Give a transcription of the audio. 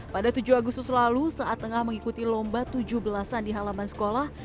pada tujuh agustus lalu saat tengah mengikuti lomba tujuh belas an di halaman sekolah